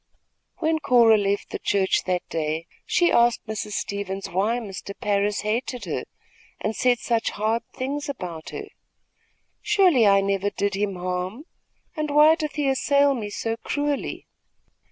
When Cora left the church that day, she asked Mrs. Stevens why Mr. Parris hated her and said such hard things about her. "Surely I never did him harm, and why doth he assail me so cruelly?"